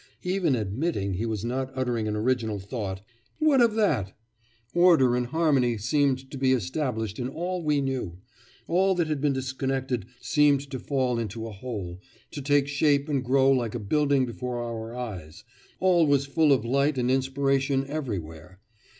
Even admitting he was not uttering an original thought what of that! Order and harmony seemed to be established in all we knew; all that had been disconnected seemed to fall into a whole, to take shape and grow like a building before our eyes, all was full of light and inspiration everywhere....